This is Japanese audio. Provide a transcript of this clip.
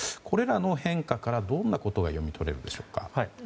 これらの変化からどんなことが読み取れるでしょうか？